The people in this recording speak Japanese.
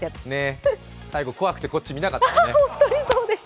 最後、怖くて、こっち見なかったからね。